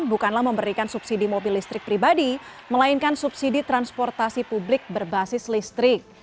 bukanlah memberikan subsidi mobil listrik pribadi melainkan subsidi transportasi publik berbasis listrik